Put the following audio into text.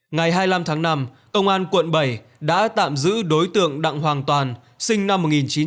ngày hai mươi năm tháng năm công an quận bảy đã tạm giữ đối tượng đặng hoàng toàn sinh năm một nghìn chín trăm tám mươi